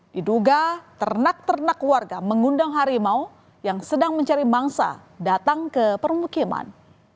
diduga ternak ternak warga mengundang harimau yang sedang mencari mangsa datang ke permukiman